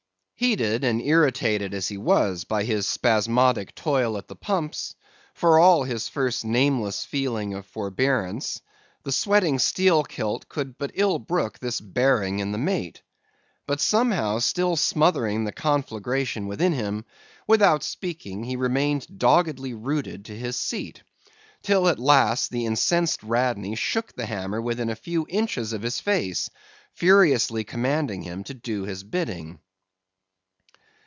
"Heated and irritated as he was by his spasmodic toil at the pumps, for all his first nameless feeling of forbearance the sweating Steelkilt could but ill brook this bearing in the mate; but somehow still smothering the conflagration within him, without speaking he remained doggedly rooted to his seat, till at last the incensed Radney shook the hammer within a few inches of his face, furiously commanding him to do his bidding.